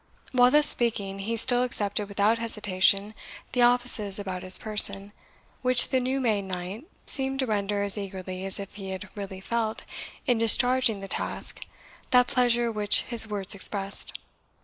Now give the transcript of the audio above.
While thus speaking, he still accepted without hesitation the offices about his person, which the new made knight seemed to render as eagerly as if he had really felt, in discharging the task, that pleasure which his words expressed.